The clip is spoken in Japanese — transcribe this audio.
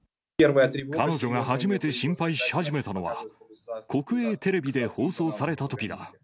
彼女が初めて心配し始めたのは、国営テレビで放送されたときだ。